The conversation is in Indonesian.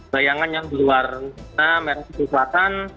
bayangan yang berwarna merah kecoklatan